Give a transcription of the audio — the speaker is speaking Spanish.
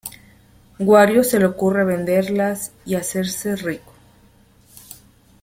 Wario se le ocurre venderlas y hacerse rico.